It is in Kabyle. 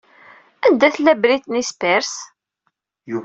Anda tella Britney Spears?